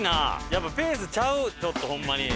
やっぱりペースちゃうちょっとホンマに。